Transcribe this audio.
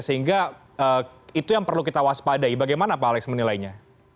sehingga itu yang perlu kita waspadai bagaimana pak alex menilainya